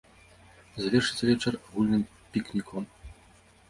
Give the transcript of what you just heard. Завершыцца вечар агульным пікніком.